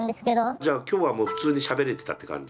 じゃあ今日はもう普通にしゃべれてたって感じ？